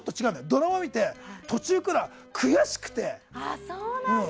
ドラマを見て、途中から悔しくて。